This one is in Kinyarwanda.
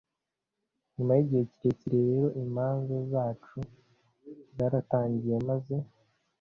Nyuma yigihe kirekire rero imanza zacu zaratangiye maze